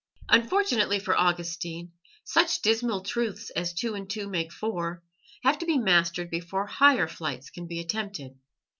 Unfortunately for Augustine, such dismal truths as two and two make four have to be mastered before higher flights can be attempted.